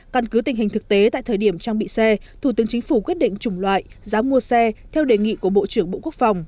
căn cứ tình hình thực tế tại thời điểm trang bị xe thủ tướng chính phủ quyết định chủng loại giá mua xe theo đề nghị của bộ trưởng bộ quốc phòng